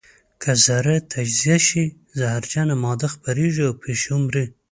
که ذره تجزیه شي زهرجنه ماده خپرېږي او پیشو مري.